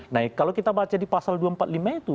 nah kalau kita baca di pasal dua ratus empat puluh lima itu